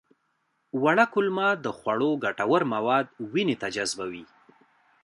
وړه کولمه د خوړو ګټور مواد وینې ته جذبوي